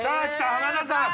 浜田さん！